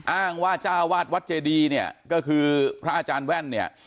อ้างว่าจ้าวาดวัดเจดีเนี่ยก็คือพระอาจารย์แว่นเนี่ย